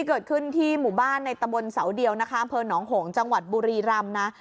เกิดขึ้นที่หมู่บ้านในตะบนเสาเดียวเจ้าผ่อนองห่งบุรีร่ำ